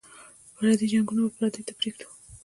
پردي جنګونه به پردیو ته پرېږدو.